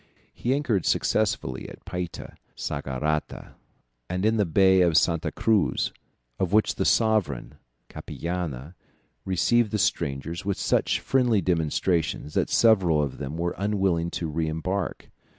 He anchored successively at Payta, Saugarata, and in the Bay of Santa Cruz, of which the sovereign, Capillana, received the strangers with such friendly demonstrations, that several of them were unwilling to re embark.